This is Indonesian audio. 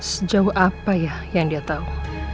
sejauh apa ya yang dia tahu